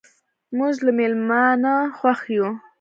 موږ له میلمانه خوښ یو.